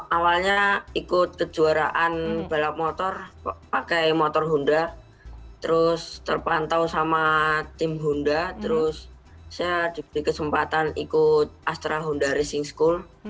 awalnya ikut kejuaraan balap motor pakai motor honda terus terpantau sama tim honda terus saya diberi kesempatan ikut astra honda racing school